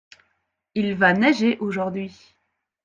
Il va neiger aujourd’hui.